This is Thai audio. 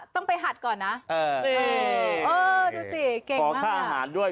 ต้องไปหัดก่อนนะเออดูสิเก่งขอค่าอาหารด้วย